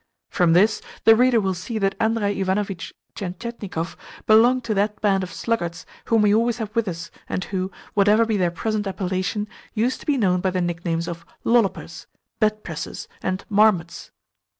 From this the reader will see that Andrei Ivanovitch Tientietnikov belonged to that band of sluggards whom we always have with us, and who, whatever be their present appellation, used to be known by the nicknames of "lollopers," "bed pressers," and "marmots."